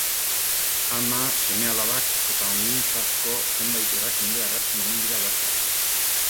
Ama, seme-alabak eta ongintzazko zenbait erakunde agertzen omen dira bertan.